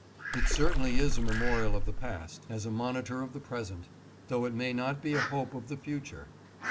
It certainly is a memorial of the past, a monitor of the present, though it may not be a hope of the future.